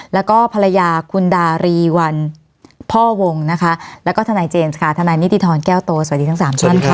แล้วก็ภรรยาคุณดารีวันพ่อวงนะคะแล้วก็ทนายเจมส์ค่ะทนายนิติธรแก้วโตสวัสดีทั้งสามท่านค่ะ